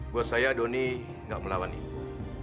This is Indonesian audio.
buat saya donny tidak melawan imbu